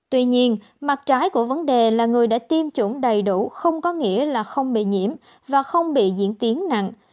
tuy nhiên mặt trái của vấn đề là người đã tiêm chủng đầy đủ không có nghĩa là không bị nhiễm và không bị diễn tiến nặng